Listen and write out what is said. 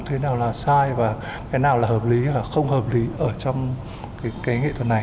thế nào là sai và cái nào là hợp lý và không hợp lý ở trong cái nghệ thuật này